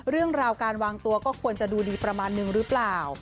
เรื่องราวการวางตัวก็ควรจะดูดีประมาณนึงหรือเปล่า